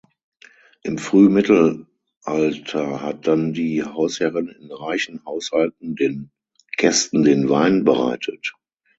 Im Frühmittelalter hat dann die Hausherrin in reichen Haushalten den Gästen den Wein bereitet.